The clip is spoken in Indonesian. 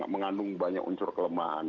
mengandung banyak unsur kelemahan